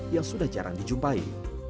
yang sudah jarang dijumpai